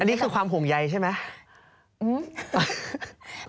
นี่คือความห่วงใยใช่ไหม